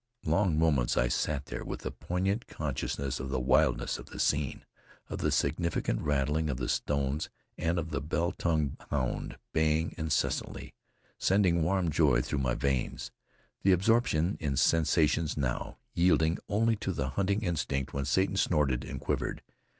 Long moments I sat there, with the poignant consciousness of the wildness of the scene, of the significant rattling of the stones and of the bell tongued hound baying incessantly, sending warm joy through my veins, the absorption in sensations new, yielding only to the hunting instinct when Satan snorted and quivered.